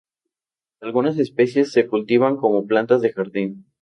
Algunas especies se cultivan como plantas de jardín.